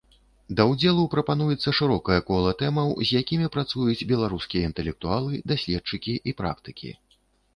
Да ўдзелу прапануецца шырокае кола тэмаў, з якімі працуюць беларускія інтэлектуалы, даследчыкі і практыкі.